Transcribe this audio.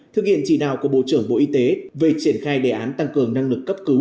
thực hiện chỉ đạo của bộ trưởng bộ y tế về triển khai đề án tăng cường năng lực cấp cứu